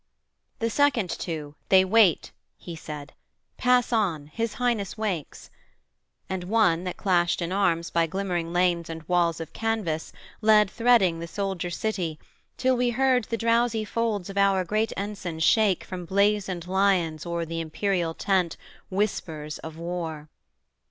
'The second two: they wait,' he said, 'pass on; His Highness wakes:' and one, that clashed in arms, By glimmering lanes and walls of canvas led Threading the soldier city, till we heard The drowsy folds of our great ensign shake From blazoned lions o'er the imperial tent Whispers of war.